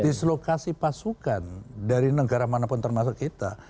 di selokasi pasukan dari negara mana pun termasuk kita